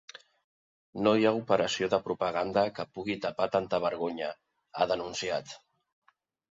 No hi ha operació de propaganda que pugui tapar tanta vergonya, ha denunciat.